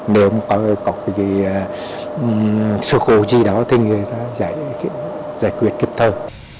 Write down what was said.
nếu có cái sự khổ gì đó thì người ta giải quyết kịp thôi